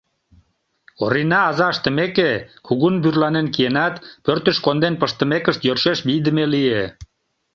Орина, аза ыштымеке, кугун вӱрланен киенат, пӧртыш конден пыштымекышт, йӧршеш вийдыме лие.